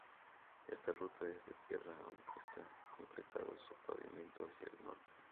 Esta ruta es de tierra, aunque se está concretando su pavimentación hacia el norte.